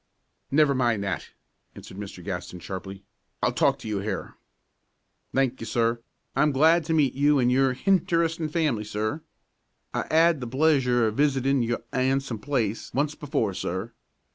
"Never mind that," answered Mr. Gaston, sharply. "I'll talk to you here." "Thank you, sir! I'm glad to meet you an' your hinteresting family, sir. I 'ad the pleasure o' visitin' your 'andsome place once before, sir.